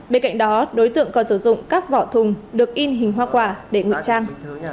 bên cạnh đó đối tượng còn sử dụng các vỏ thùng được in hình hoa quả để ngụy trang